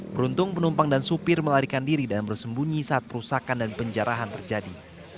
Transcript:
beruntung penumpang dan supir melarikan diri dan bersembunyi saat perusakan dan penjarahan terjadi